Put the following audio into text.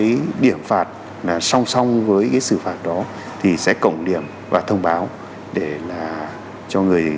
cái điểm phạt là song song với cái xử phạt đó thì sẽ cổng điểm và thông báo để là cho người